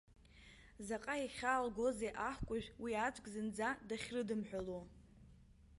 Заҟа ихьаалгозеи аҳкәажә уи аӡәк зынӡа дахьрыдымҳәыло.